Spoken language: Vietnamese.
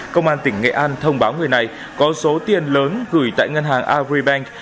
công an tỉnh nghệ an thông báo người này có số tiền lớn gửi tại ngân hàng agribank